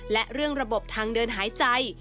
และเรื่องระบบทางเดินหายใจ